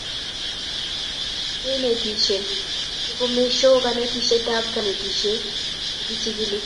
cheineitihsnen che komeshoo kanetishiet ab kenyishishaik che kichikili